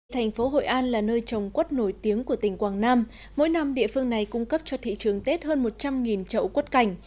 thành phố hội an là nơi trồng quất nổi tiếng của tỉnh quảng nam mỗi năm địa phương này cung cấp cho thị trường tết hơn một trăm linh trậu quất cảnh